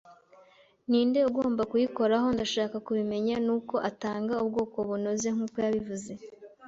ninde ugomba kuyikoraho, ndashaka kubimenya! ” nuko atanga ubwoko bunoze nkuko yabivuze